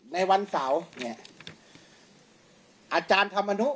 ในวันเสาร์